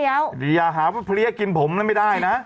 อย่าหาเพรียกินผมเลยไม่ได้นะ